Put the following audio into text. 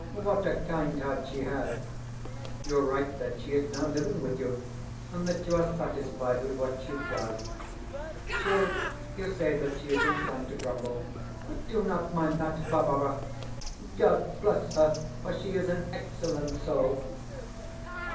What a kind heart she has! You write that she is now living with you, and that you are satisfied with what she does. True, you say that she is inclined to grumble, but do not mind that, Barbara. God bless her, for she is an excellent soul!